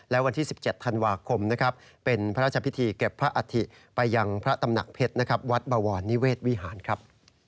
และวันที่๑๗ธันวาคมนะครับเป็นพระราชพิธีเก็บพระอัฐิไปยังพระตำหนักเพชรนะครับวัดบวรนิเวศวิหารครับ